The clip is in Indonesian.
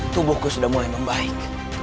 tubuhku sudah mulai membaik